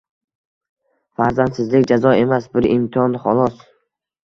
Farzandsizlik jazo emas, bir imtihon, xolos.